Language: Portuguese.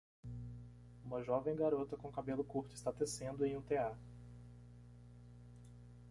Uma jovem garota com cabelo curto está tecendo em um tear.